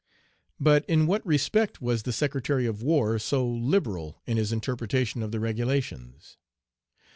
"But in what respect was the Secretary of War so 'liberal in his interpretation of the regulations?'